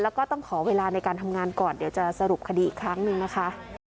แล้วก็ต้องขอเวลาในการทำงานก่อนเดี๋ยวจะสรุปคดีอีกครั้งหนึ่งนะคะ